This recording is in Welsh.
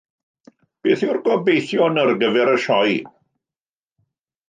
Beth yw'r gobeithion ar gyfer y sioe?